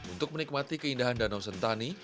untuk menikmati keindahan danau sentani